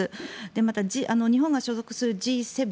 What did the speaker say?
また、日本が所属するＧ７